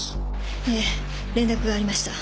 ええ連絡がありました。